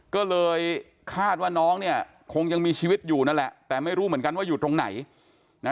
ก็เลยคาดว่าน้องเนี่ยคงยังมีชีวิตอยู่นั่นแหละแต่ไม่รู้เหมือนกันว่าอยู่ตรงไหนนะ